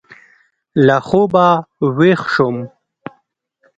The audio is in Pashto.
له خوبه وېښ شوم.